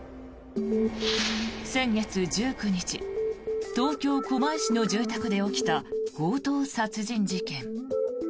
先月１９日東京・狛江市の住宅で起きた強盗殺人事件。